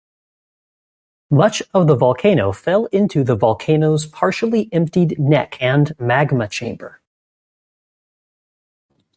Much of the volcano fell into the volcano's partially emptied neck and magma chamber.